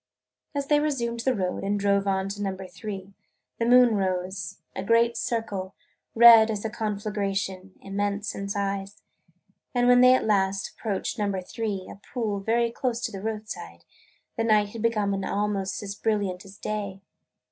As they resumed the road and drove on to Number Three the moon rose – a great circle, red as a conflagration, immense in size. And when at last they approached Number Three, a pool very close to the roadside, the night had become almost as brilliant as day.